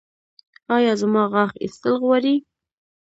ایا زما غاښ ایستل غواړي؟